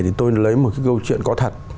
thì tôi lấy một câu chuyện có thật